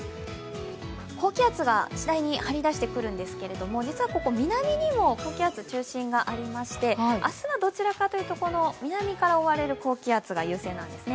高気圧が次第に張り出してくるんですけど、実は南にも高気圧中心がありまして、明日はどちらかというと南から覆われる高気圧が優勢なんですね。